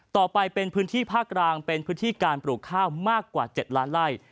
ต่อไปเป็นพื้นที่ภาคกลางเป็นพื้นที่การปลูกข้าวมากกว่า๗ล้านไล่